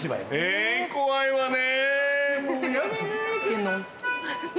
え怖いわね。